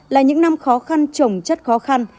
là những năm khó khăn trồng chất khó khăn